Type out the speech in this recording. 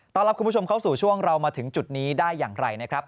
รับคุณผู้ชมเข้าสู่ช่วงเรามาถึงจุดนี้ได้อย่างไรนะครับ